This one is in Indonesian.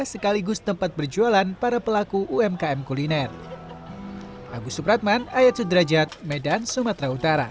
sekaligus tempat berjualan para pelaku umkm kuliner